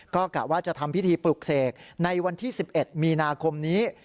ก็กะว่าจะทำพิธีปลุกเสกในวันที่๑๑มีนาคมนี้